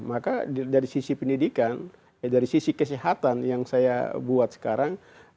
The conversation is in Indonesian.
maka dari sisi pendidikan dari sisi kesehatan yang saya buat sekarang